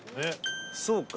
そうか。